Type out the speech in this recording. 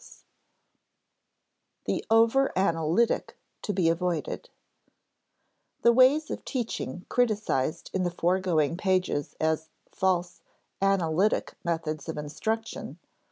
[Sidenote: The over analytic to be avoided] The ways of teaching criticised in the foregoing pages as false "analytic" methods of instruction (ante, p.